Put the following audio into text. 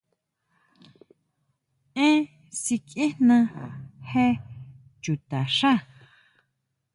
¿Èn sikiejna jé chuta xá?